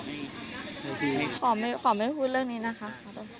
ขอไม่พูดเรื่องนี้นะคะ